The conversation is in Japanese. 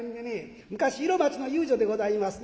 昔色街の遊女でございますね。